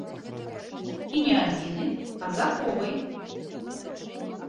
І не адзіны, а з аховай.